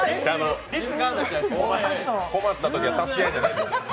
困ったときは助け合いじゃないんです。